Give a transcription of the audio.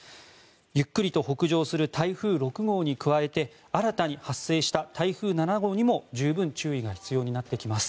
ゆっくりと北上する台風６号に加えて新たに発生した台風７号にも十分注意が必要になってきます。